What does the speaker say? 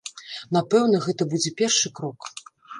Напэўна, гэта будзе першы крок.